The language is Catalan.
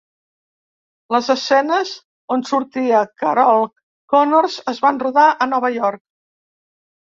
Les escenes on sortia Carol Connors es van rodar a Nova York.